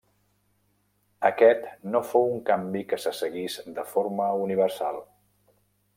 Aquest no fou un canvi que se seguís de forma universal.